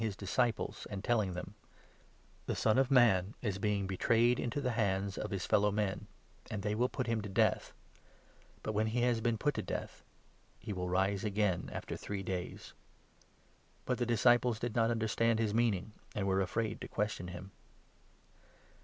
j ,js disciples, and telling them — "The Son of Man is being betrayed into the hands of his fellow men, and they will put him to death, but, when he has been put to death, he will rise again after three days." But the disciples did not understand his meaning and were 32 afraid to question him.